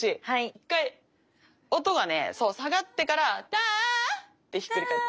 一回音がねそう下がってからたあってひっくり返る。